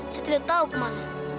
saya tidak tahu kemana